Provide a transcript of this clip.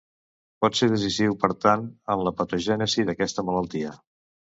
Pot ser decisiu, per tant, en la patogènesi d'aquesta malaltia.